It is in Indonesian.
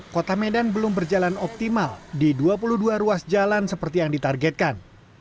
kota medan belum berjalan optimal di dua puluh dua ruas jalan seperti yang ditargetkan